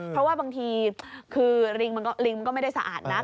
เพราะว่าบางทีคือลิงมันก็ไม่ได้สะอาดนะ